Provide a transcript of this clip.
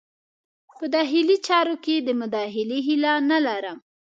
په داخلي چارو کې د مداخلې هیله نه لرم.